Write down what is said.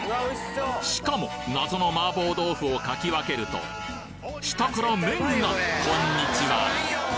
しかも謎のマーボー豆腐をかき分けると下から麺がこんにちは！